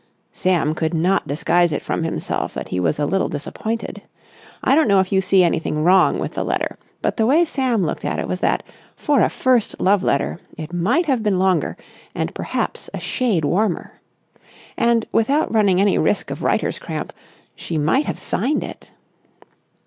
Sam could not disguise it from himself that he was a little disappointed. I don't know if you see anything wrong with the letter, but the way Sam looked at it was that, for a first love letter, it might have been longer and perhaps a shade warmer. And, without running any risk of writer's cramp, she might have signed it.